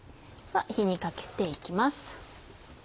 火にかけて行きます。